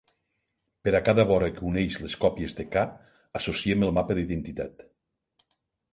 Per a cada vora que uneix les còpies de "k", associem el mapa d'identitat.